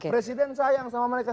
presiden sayang sama mereka